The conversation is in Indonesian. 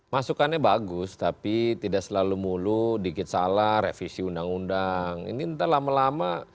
masukannya bagus tapi tidak selalu mulu dikit salah revisi undang undang ini entah lama lama